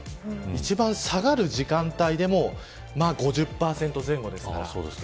一番下がる時間帯でも５０％前後ですから。